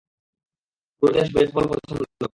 পুরো দেশ বেসবল পছন্দ করে।